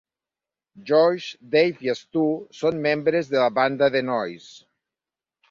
Josh, Dave i Stu són membres de la banda de nois.